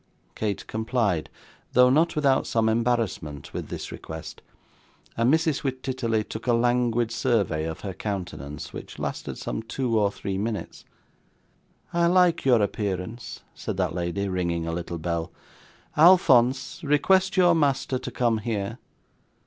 Kate complied, though not without some embarrassment, with this request, and Mrs. Wititterly took a languid survey of her countenance, which lasted some two or three minutes. 'I like your appearance,' said that lady, ringing a little bell. 'Alphonse, request your master to come here.